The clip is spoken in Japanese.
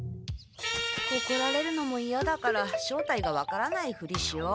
おこられるのもいやだから正体が分からないふりしよう。